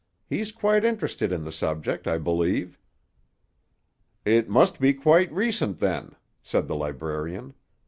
He's quite interested in the subject, I believe." "It must be quite recent, then," said the librarian.